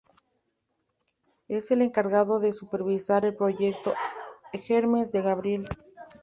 Es el encargado de supervisar el proyecto Hermes de Gabriel.